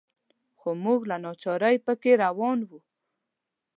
خو موږ له ناچارۍ په کې روان وو.